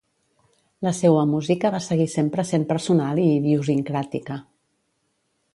La seua música va seguir sempre sent personal i idiosincràtica.